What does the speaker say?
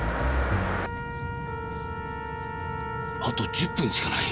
あと１０分しかない。